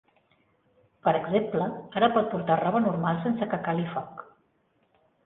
Per exemple, ara pot portar roba normal sense que cali foc.